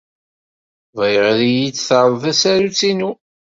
Bɣiɣ ad iyi-d-terreḍ tasarut-inu.